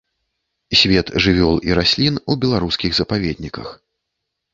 Свет жывёл і раслін у беларускіх запаведніках.